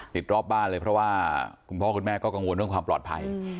ติดรอบบ้านเลยเพราะว่าคุณพ่อคุณแม่ก็กังวลเรื่องความปลอดภัย